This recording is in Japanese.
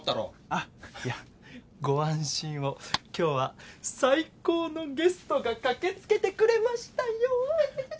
あっいやご安心を今日は最高のゲストが駆けつけてくれましたよ